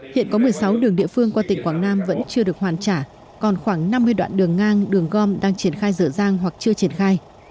hiện có một mươi sáu đường địa phương qua tỉnh quảng nam vẫn chưa được hoàn trả còn khoảng năm mươi đoạn đường ngang đường gom đang triển khai dở dang hoặc chưa triển khai